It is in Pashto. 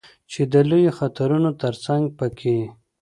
چې د لویو خطرونو ترڅنګ په کې